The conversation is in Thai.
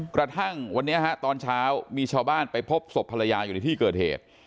กระทั่งวันนี้ฮะตอนเช้ามีชาวบ้านไปพบศพภรรยาอยู่ในที่เกิดเหตุ